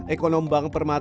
ekonom bank perusahaan